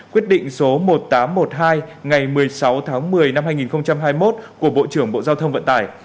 quyết định số một nghìn tám trăm một mươi hai ngày một mươi sáu tháng một mươi năm hai nghìn hai mươi một của bộ trưởng bộ giao thông vận tải